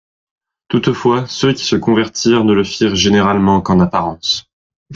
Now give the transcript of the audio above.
Toutefois, ceux qui se convertirent ne le firent généralement qu'en apparence.